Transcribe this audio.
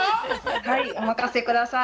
はいお任せ下さい。